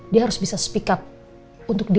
dia harus bisa speak up untuk dia